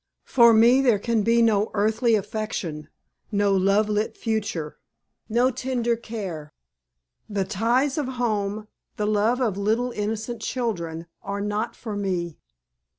For me there can be no earthly affection, no love lit future, no tender care. The ties of home, the love of little, innocent children are not for me.